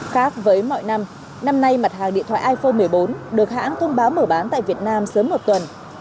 khác với mọi năm năm nay mặt hàng điện thoại iphone một mươi bốn được hãng thông báo mở bán tại việt nam sớm một tuần